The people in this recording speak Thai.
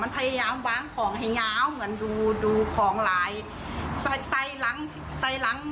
มันพยายามวางของให้ง้าวเหมือนดูดูของหลายใส่ใส่หลังใส่หลัง